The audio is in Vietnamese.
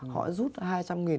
họ rút hai trăm linh nghìn